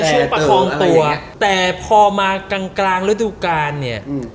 แต่จะช่วงประคองตัวแต่พอมากลางฤดูการเนี่ย